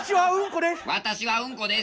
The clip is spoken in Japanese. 私はうんこです！